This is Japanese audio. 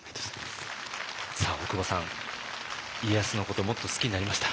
さあ大久保さん家康のこともっと好きになりました？